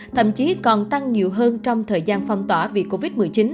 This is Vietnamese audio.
thậm chí còn tăng nhiều hơn trong thời gian phong tỏa vì covid một mươi chín